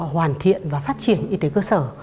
hoàn thiện và phát triển y tế cơ sở